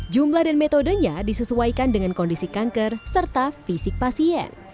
jumlah dan metodenya disesuaikan dengan kondisi kanker serta fisik pasien